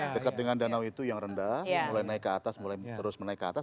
dekat dengan danau itu yang rendah mulai naik ke atas mulai terus menaik ke atas